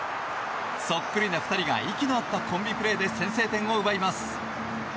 そっくりな２人が息の合ったコンビプレーで先制点を奪います。